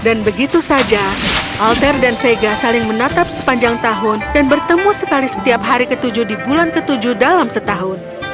dan begitu saja alter dan vega saling menatap sepanjang tahun dan bertemu sekali setiap hari ketujuh di bulan ketujuh dalam setahun